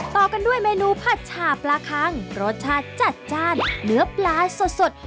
ต่อกันด้วยเมนูผัดฉาปลาคังรสชาติจัดจ้านเนื้อปลาสด